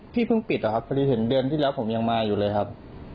เพิ่งปิดอะครับพอดีเห็นเดือนที่แล้วผมยังมาอยู่เลยครับ